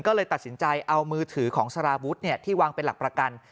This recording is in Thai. ก็เลยตัดสินใจเอามือถือของสารวุฒิที่วางเป็นหลักประกัน